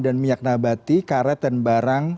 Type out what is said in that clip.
dan minyak nabati karet dan barang